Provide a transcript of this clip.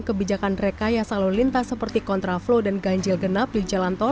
kebijakan rekayasa lalu lintas seperti kontraflow dan ganjil genap di jalan tol